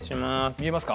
見えますか？